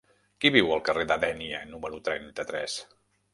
Qui viu al carrer de Dénia número trenta-tres?